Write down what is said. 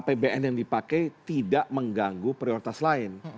apbn yang dipakai tidak mengganggu prioritas lain